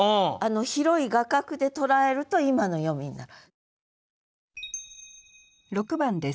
広い画角で捉えると今の読みになる。